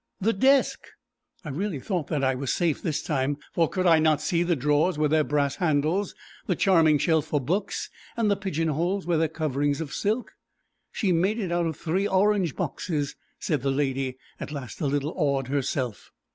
"The desk " I really thought that I was safe this time, for could I not see the drawers with their brass handles, the charming shelf for books, the pigeon holes with their coverings of silk? "She made it out of three orange boxes," said the lady, at last a little awed herself.